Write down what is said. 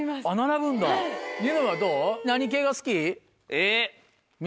えっ！